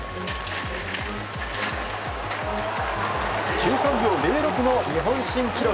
１３秒０６の日本新記録。